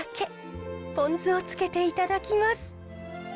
ポン酢をつけていただきます。